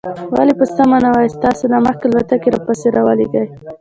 ولې په سمه نه وایاست؟ تاسې له مخکې الوتکې را پسې را ولېږلې.